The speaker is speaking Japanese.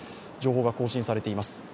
情報が更新されています。